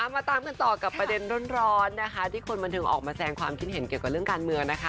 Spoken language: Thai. มาตามกันต่อกับประเด็นร้อนนะคะที่คนบันเทิงออกมาแสงความคิดเห็นเกี่ยวกับเรื่องการเมืองนะคะ